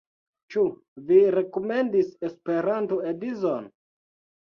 Ĉu vi rekomendis Esperanto-edzon?